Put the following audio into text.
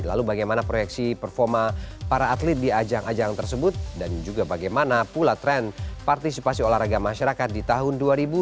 lalu bagaimana proyeksi performa para atlet di ajang ajangan tersebut dan juga bagaimana pula tren partisipasi olahraga masyarakat di tahun dua ribu dua puluh empat